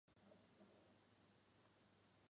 三姊妹都住在同一座岛上。